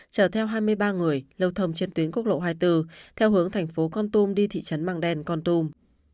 chở theo hai mươi ba người lâu thầm trên tuyến quốc lộ hai mươi bốn theo hướng tp con tum đi thị trấn măng đen con tum